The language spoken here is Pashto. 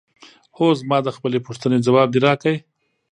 هو زما د خپلې پوښتنې ځواب دې راکړ؟